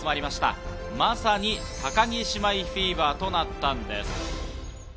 まさに高木姉妹フィーバーとなったんです。